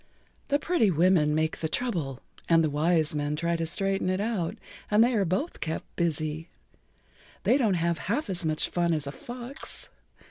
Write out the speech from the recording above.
"The pretty women make the trouble and the wise men try to straighten it out, and they are both kept busy. They don't have half as much fun as a fox."